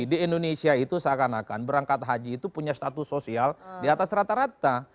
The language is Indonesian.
di indonesia itu seakan akan berangkat haji itu punya status sosial di atas rata rata